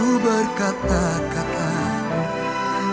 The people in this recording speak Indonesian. oke lihat ke kamera